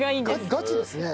ガチですね。